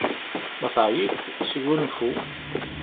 Ma teεyiḍ, sgunfu!